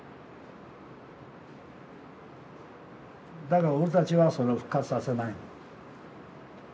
だから俺たちはそれを復活させないの。